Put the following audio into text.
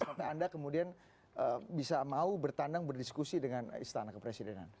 karena anda kemudian bisa mau bertandang berdiskusi dengan istana kepresidenan